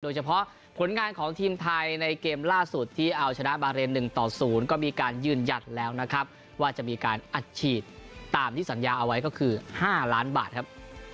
เฉพาะผลงานของทีมไทยในเกมล่าสุดที่เอาชนะบาเรน๑ต่อ๐ก็มีการยืนยันแล้วนะครับว่าจะมีการอัดฉีดตามที่สัญญาเอาไว้ก็คือ๕ล้านบาทครับ